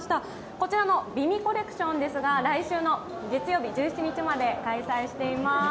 こちらの美味コレクションですが来週の月曜日１７日まで開催しています。